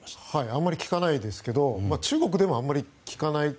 あまり聞かないですけど中国でもあまり聞かない。